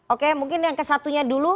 oke mungkin yang ke satunya dulu